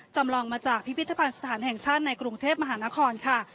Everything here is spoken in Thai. จำลองมาจากพิพิธภัณฑ์สถานแห่งชาติในกรุงเทพมหานครค่ะ